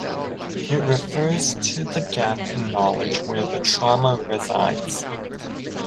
It refers to the gap in knowledge where the trauma resides'.